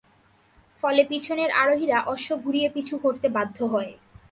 ফলে পিছনের আরোহীরা অশ্ব ঘুরিয়ে পিছু হটতে বাধ্য হয়।